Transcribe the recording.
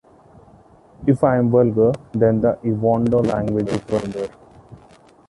If I am vulgar, then the Ewondo language is vulgar.